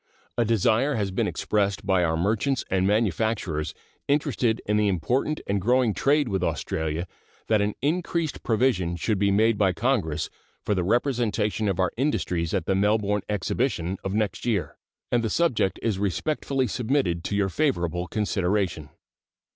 A desire has been expressed by our merchants and manufacturers interested in the important and growing trade with Australia that an increased provision should be made by Congress for the representation of our industries at the Melbourne exhibition of next year, and the subject is respectfully submitted to your favorable consideration.